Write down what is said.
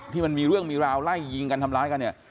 ที่มันมีเรื่องมีราวไล่ยิงกันทำล้ายกัน